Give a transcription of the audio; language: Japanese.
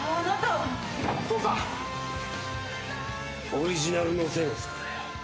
オリジナルの線をつくれ。